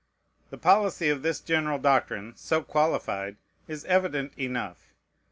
The policy of this general doctrine, so qualified, is evident enough.